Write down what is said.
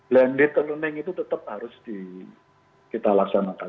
blended learning itu tetap harus kita laksanakan